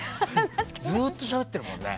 ずっとしゃべってるもんね。